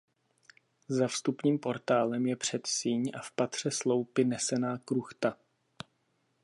Za vstupním portálem je předsíň a v patře sloupy nesená kruchta.